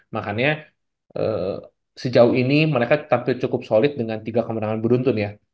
makanya sejauh ini mereka tampil cukup solid dengan tiga kemenangan beruntun ya